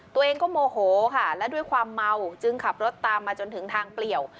ตัวเองก็โมโหค่ะและด้วยความเมาจึงขับรถตามมาจนถึงทางเปลี่ยว